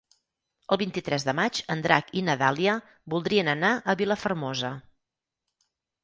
El vint-i-tres de maig en Drac i na Dàlia voldrien anar a Vilafermosa.